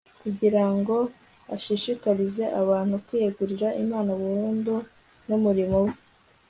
kugira ngo ashishikarize abantu kwiyegurira imana burundu n'umurimo we